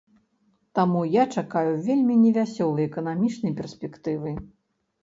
Таму я чакаю вельмі невясёлай эканамічнай перспектывы.